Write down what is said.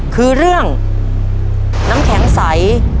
คือเรื่องน้ำแข็งใส